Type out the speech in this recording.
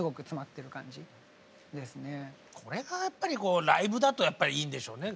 これがやっぱりライブだとやっぱりいいんでしょうね。